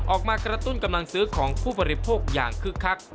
กระตุ้นกำลังซื้อของผู้บริโภคอย่างคึกคัก